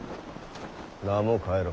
名も変えろ。